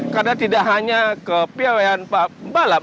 karena tidak hanya ke piawan pembalap